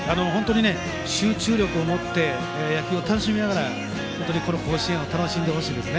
集中力を持って野球を楽しみながら甲子園を楽しんでほしいです。